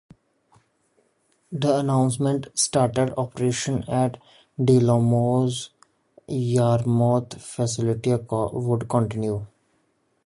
The announcement stated operations at DeLorme's Yarmouth facility would continue.